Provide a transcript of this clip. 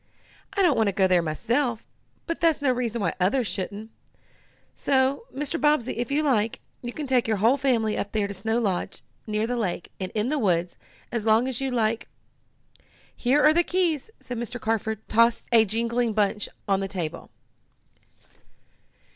"I don't want to go there myself, but that's no reason why others shouldn't. So, Mr. Bobbsey, if you like, you can take your whole family up there to Snow Lodge, near the lake, and in the woods, and stay as long as you like. Here are the keys!" and Mr. Carford tossed a jingling bunch on the table.